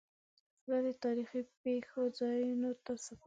زه د تاریخي پېښو ځایونو ته سفر کوم.